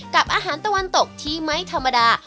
กับอาหารตะวันตกที่ไม่ธรรมดา